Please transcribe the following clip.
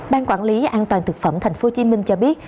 ban quản lý an toàn thực phẩm tp hcm cho biết